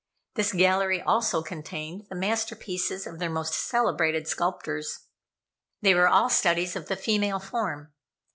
This gallery also contained the masterpieces of their most celebrated sculptors. They were all studies of the female form.